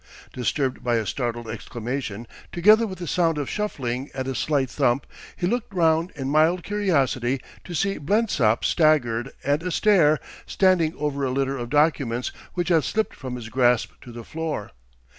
Disturbed by a startled exclamation, together with a sound of shuffling and a slight thump, he looked round in mild curiosity to see Blensop staggered and astare, standing over a litter of documents which had slipped from his grasp to the floor.